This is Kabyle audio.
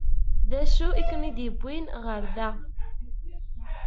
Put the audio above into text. D acu i ken-id-yewwin ɣer da?